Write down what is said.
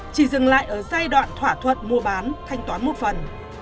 chỉ dừng lại ở giai đoạn thỏa thuận mua bán thanh toán một phần